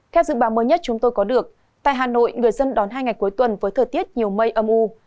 theo dự báo mới nhất chúng tôi có được tại hà nội người dân đón hai ngày cuối tuần với thời tiết nhiều mây âm u